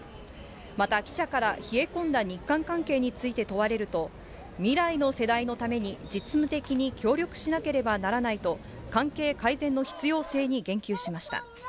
また、記者から冷え込んだ日韓関係について問われると、未来の世代のために実務的に協力しなければならないと、関係改善の必要性に言及しました。